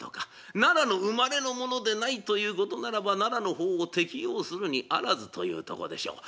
奈良の生まれの者でないということならば奈良の法を適用するにあらずというとこでしょう。